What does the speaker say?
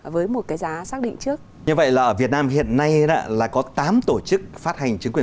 với một cái giá xác định trước như vậy là ở việt nam hiện nay là có tám tổ chức phát hành chứng quyền